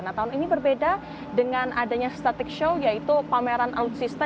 nah tahun ini berbeda dengan adanya static show yaitu pameran alutsista